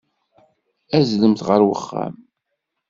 Azzlemt ɣer uxxam.